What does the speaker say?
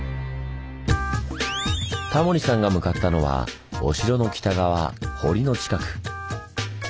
タモリさんが向かったのはお城の北側堀の近く。